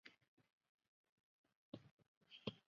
奥贝赖森是德国图林根州的一个市镇。